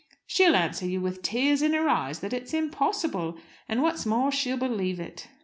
She'll answer you with tears in her eyes that it's impossible; and, what's more, she'll believe it.